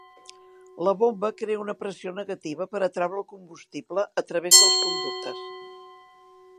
La bomba crea una pressió negativa per atraure el combustible a través dels conductes.